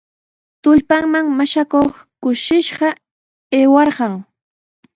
Tullpanman mashakuq kushishqa aywarqan.